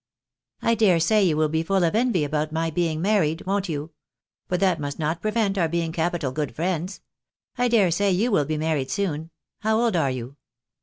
" I day say you will be full of envy about my being married, won't you ? But that must not prevent our being capital good friends. I dare say you will be married soon. How old are you